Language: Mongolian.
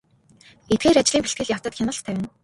Эдгээр ажлын бэлтгэл явцад хяналт тавина.